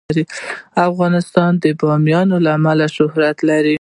افغانستان د بامیان له امله شهرت لري.